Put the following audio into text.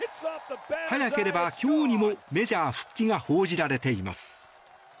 早ければ今日にもメジャー復帰が報じられています。